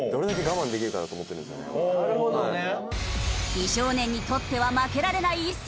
美少年にとっては負けられない一戦。